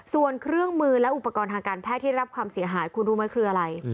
ส่วนเครื่องมือและอุปกรณ์ทางการแพทย์ที่รับความเสียหายคุณรู้ไหมคืออะไร